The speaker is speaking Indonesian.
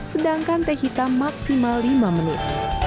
sedangkan teh hitam maksimal lima menit